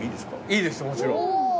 いいですよもちろん。